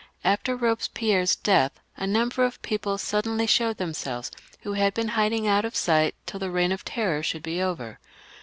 After Sobespierre's death a number of people suddenly showed themselves, who had been hiding out of sight tiU the Beign of Terror should be over.